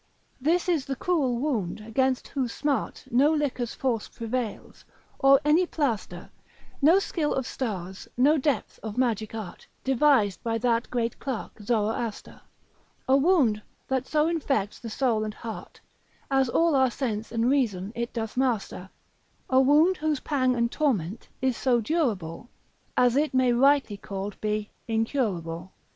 This is the cruel wound against whose smart, No liquor's force prevails, or any plaister, No skill of stars, no depth of magic art, Devised by that great clerk Zoroaster, A wound that so infects the soul and heart, As all our sense and reason it doth master; A wound whose pang and torment is so durable, As it may rightly called be incurable.